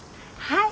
はい。